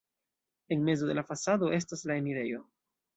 En mezo de la fasado estas la enirejo.